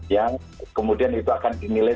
yang kemudian itu akan dinilai